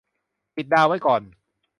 ติดดาวไว้ก่อน